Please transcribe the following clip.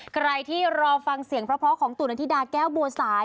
ใครที่รอฟังเสียงเพราะของตู่นันธิดาแก้วบัวสาย